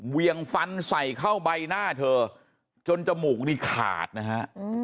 เวียงฟันใส่เข้าใบหน้าเธอจนจมูกนี่ขาดนะฮะ